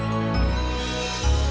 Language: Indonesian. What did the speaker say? tidak ada apa apa